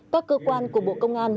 các cơ quan của bộ công an